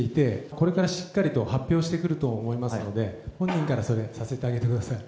これからしっかりと発表してくると思いますので、本人からそれ、させてあげてください。